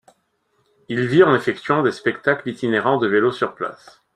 Il vit en effectuant des spectacles itinérants de vélo sur place.